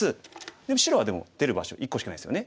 でも白は出る場所１個しかないですよね。